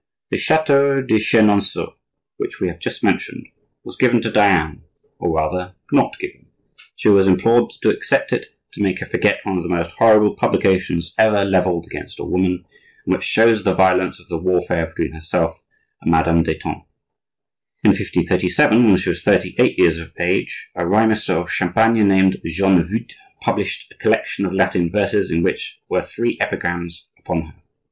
The chateau de Chenonceaux, which we have just mentioned, was given to Diane, or rather not given, she was implored to accept it to make her forget one of the most horrible publications ever levelled against a woman, and which shows the violence of the warfare between herself and Madame d'Etampes. In 1537, when she was thirty eight years of age, a rhymester of Champagne named Jean Voute, published a collection of Latin verses in which were three epigrams upon her.